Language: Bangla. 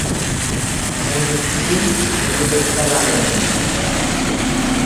মন্দিরটি হিন্দু দেবতা রামের মন্দির।